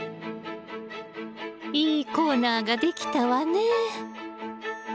いいコーナーが出来たわね。